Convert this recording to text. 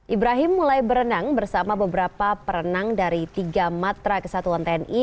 ibrahim mulai berenang bersama beberapa perenang dari tiga matra kesatuan tni